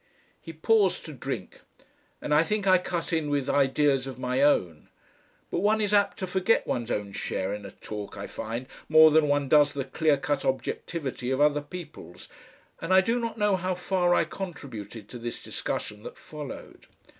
He paused to drink, and I think I cut in with ideas of my own. But one is apt to forget one's own share in a talk, I find, more than one does the clear cut objectivity of other people's, and I do not know how far I contributed to this discussion that followed.